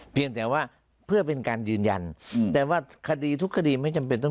เพียงแต่ว่าเพื่อเป็นการยืนยันแต่ว่าคดีทุกคดีไม่จำเป็นต้อง